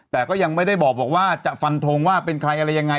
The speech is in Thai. แต่ก็ยังไม่ได้บอกว่าจะฟันทงว่าเป็นใครอะไรยังไง